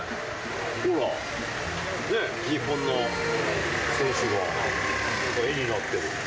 ほら、日本の選手がなんか絵になってる。